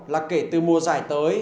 là kể từ mùa giải tới